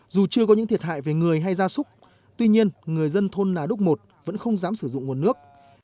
dù chưa có những thiệt hại về người hay gia súc tuy nhiên người dân thôn nà đúc một vẫn không dám sử dụng nguồn nước